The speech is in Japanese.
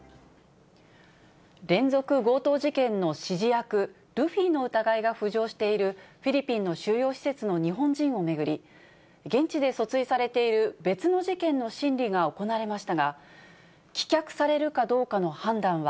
連続強盗事件の指示役、ルフィの疑いが浮上している、フィリピンの収容施設の日本人を巡り、現地で訴追されている別の事件の審理が行われましたが、棄却されるかどうかの判断は、